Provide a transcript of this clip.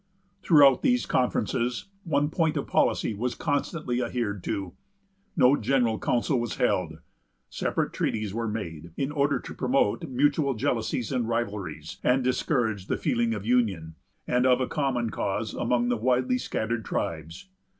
Throughout these conferences, one point of policy was constantly adhered to. No general council was held. Separate treaties were made, in order to promote mutual jealousies and rivalries, and discourage the feeling of union, and of a common cause among the widely scattered tribes.